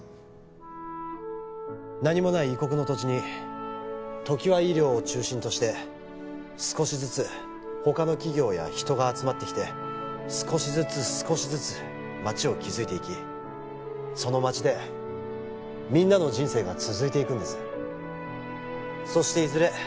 何もない異国の土地に常盤医療を中心として少しずつ他の企業や人が集まってきて少しずつ少しずつ街を築いていきその街でみんなの人生が続いていくんですそしていずれ